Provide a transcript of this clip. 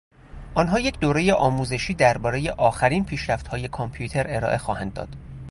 آنها یک دورهی آموزشی دربارهی آخرین پیشرفتهای کامپیوتر ارائه خواهند داد.